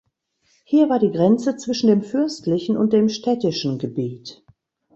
Hier war die Grenze zwischen dem fürstlichen und dem städtischen Gebiet.